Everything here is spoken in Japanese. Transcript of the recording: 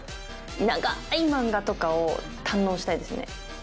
長ーい漫画とかを堪能したいですね。